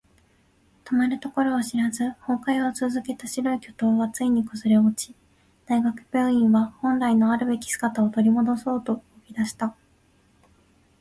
止まるところを知らず崩壊を続けた白い巨塔はついに崩れ落ち、大学病院は本来のあるべき姿を取り戻そうと動き出した。